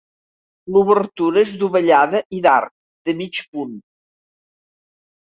L'obertura és dovellada i d'arc de mig punt.